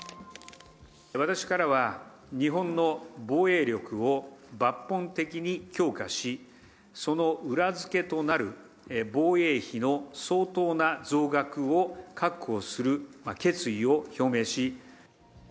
私からは日本の防衛力を抜本的に強化しその裏付けとなる防衛費の相当な増額を確保する決意を表明します。